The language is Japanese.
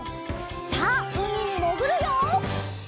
さあうみにもぐるよ！